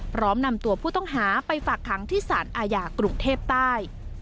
พร้อมนำตัวผู้ต้องหาไปฝากขังที่สารอาญากรุงเทพใต้